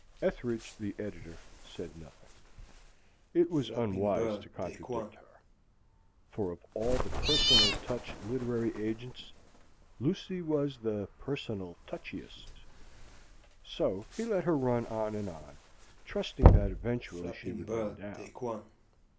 Ethridge the Editor said nothing. It was unwise to contradict her; for of all the personal touch literary agents, Lucy was the personal touchiest. So he let her run on and on, trusting that eventually she would run down.